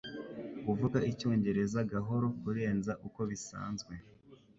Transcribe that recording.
kuvuga icyongereza gahoro kurenza uko bisanzwe